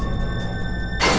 tidak ada yang bisa dipercaya